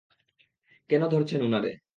কেন ধরছেন উনারে?